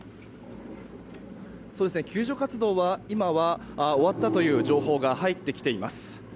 救助活動は今終わったという情報が入っています。